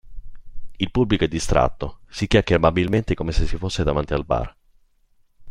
Il pubblico è distratto, si chiacchiera amabilmente come se si fosse davanti al bar.